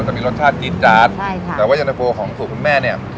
จะมีรสชาติจี๊ดจาดใช่ค่ะแต่ว่าเย็นตะโฟของสูตรคุณแม่เนี่ย